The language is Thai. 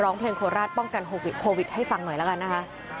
ร้องเพลงโคราชป้องกันโควิดให้ฟังหน่อยแล้วกันนะคะ